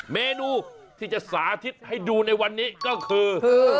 เมนูที่จะสาธิตให้ดูในวันนี้ก็คือ